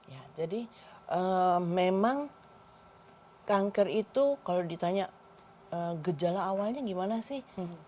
ya jadi memang kanker itu kalau ditanya gejala awalnya gimana sih